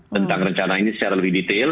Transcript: tentang rencana ini secara lebih detail